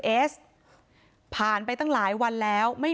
พี่สาวบอกว่าไม่ได้ไปกดยกเลิกรับสิทธิ์นี้ทำไม